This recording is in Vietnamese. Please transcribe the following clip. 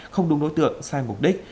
không đúng nội tượng sai mục đích